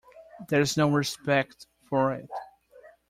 There's no respect for it.